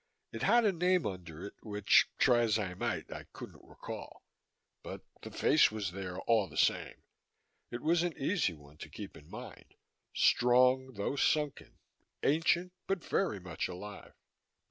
It had a name under it, which, try as I might, I couldn't recall; but the face was there all the same. It was an easy one to keep in mind strong though sunken, ancient but very much alive.